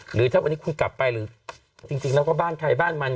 หรือถ้าวันนี้คุณกลับไปหรือจริงแล้วก็บ้านใครบ้านมัน